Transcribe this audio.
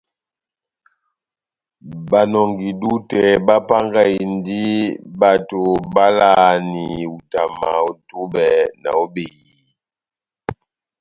Banɔngi-dútɛ bapángahindi bato bavalahani ihutama ó túbɛ ná ó behiyi.